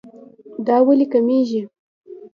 دا ولې کميږي